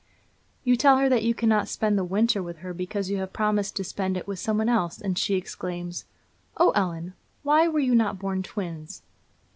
You tell her that you cannot spend the winter with her because you have promised to spend it with some one else, and she exclaims: 'Oh, Ellen! why were you not born twins!'